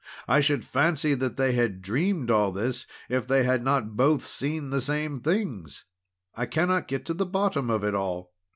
"I should fancy that they had dreamed all this, if they had not both seen the same things! I cannot get to the bottom of it all!"